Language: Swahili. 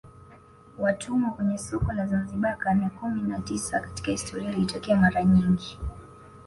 Watumwa kwenye soko la Zanzibar karne kumi na tisa Katika historia ilitokea mara nyingi